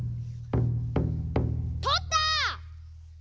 とった！